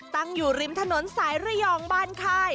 ตั้งอยู่ริมถนนสายระยองบ้านค่าย